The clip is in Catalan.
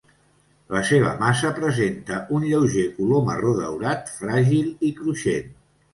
La seva massa presenta un lleuger color marró daurat fràgil i cruixent.